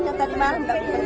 kan'tu jadi patreon